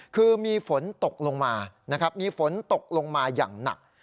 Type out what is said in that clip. คือมีฝนตกลงมานะครับมีฝนตกลงมาอย่างหนัก